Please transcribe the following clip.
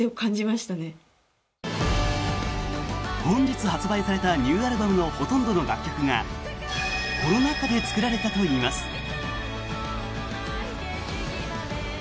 本日発売されたニューアルバムのほとんどの楽曲がコロナ禍で作られたといいます。